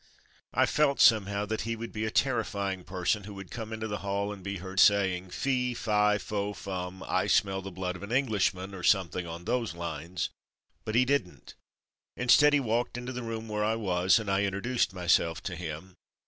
I felt, somehow, that he would be a terrifying person who would come into the hall and be heard saying, " Fe, Fi, Fo, Fum, I smell the blood of an Englishman, '* or something on those lines; but he didn't. Instead, he walked into the room where I was, and I introduced myself to him.